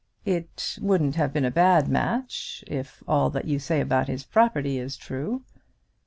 "It wouldn't have been a bad match, if all that you say about his property is true."